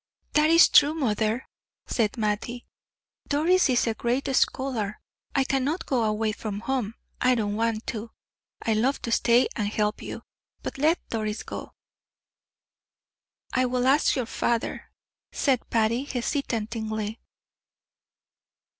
"That is true, mother," said Mattie. "Doris is a great scholar. I cannot go away from home; I don't want to; I love to stay and help you; but let Doris go." "I will ask your father," said Patty, hesitatingly.